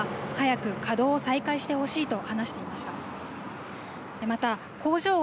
原因は分からないが早く稼働を再開してほしいと話していました。